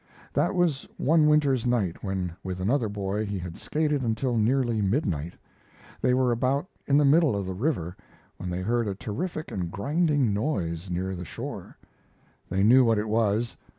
That was one winter's night when with another boy he had skated until nearly midnight. They were about in the middle of the river when they heard a terrific and grinding noise near the shore. They knew what it was.